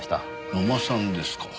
野間さんですか。